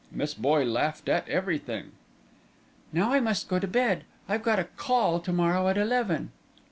Miss Boye laughed at everything. "Now I must go to bed. I've got a 'call' to morrow at eleven."